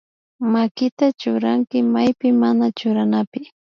Makita churanki maypi mana churanapi